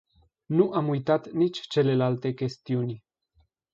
Nu am uitat nici celelalte chestiuni.